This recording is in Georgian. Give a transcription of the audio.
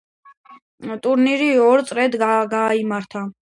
ტურნირი ორ წრედ გაიმართა.